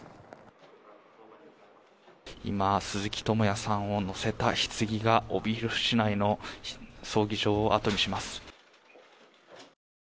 今鈴木智也さんを乗せた棺が帯広市内の葬儀場をあとにします。